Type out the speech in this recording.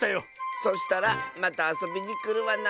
そしたらまたあそびにくるわな。